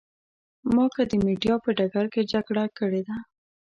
ما که د مېډیا په ډګر کې جګړه کړې ده.